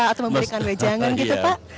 atau memberikan wejangan gitu pak